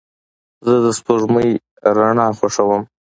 زه د سپوږمۍ رڼا خوښوم.